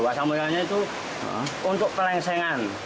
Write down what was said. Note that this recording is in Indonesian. asal mulanya itu untuk pelengsengan